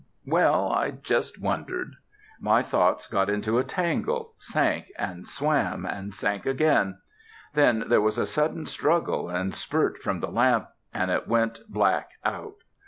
well, I just wondered. My thoughts got into a tangle, sank, and swam, and sank again. Then there was a sudden struggle and spurt from the lamp, and it went black out.